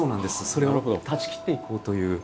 それを断ち切っていこうという。